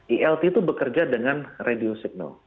ilt itu bekerja dengan radio signal